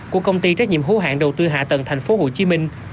của công ty trách nhiệm hữu hạn đầu tư hạ tầng thành phố hồ chí minh